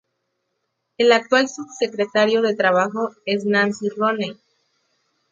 El actual subsecretario de trabajo es Nancy Rooney.